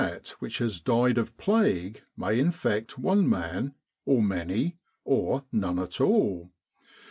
in Egypt which has died of plague may infect one man, or many, or none at all.